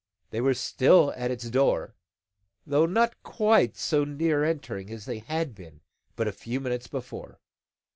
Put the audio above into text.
They were still at its door, though not quite so near entering as they had been but a few minutes before.